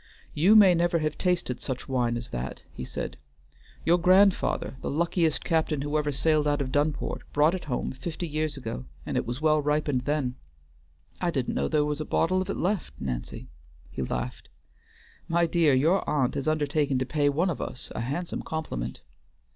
"You may never have tasted such wine as that," he said. "Your grandfather, the luckiest captain who ever sailed out of Dunport, brought it home fifty years ago, and it was well ripened then. I didn't know there was a bottle of it left, Nancy," he laughed. "My dear, your aunt has undertaken to pay one of us a handsome compliment."